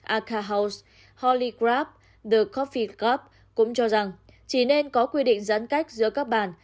aca house holy crab the coffee club cũng cho rằng chỉ nên có quy định giãn cách giữa các bàn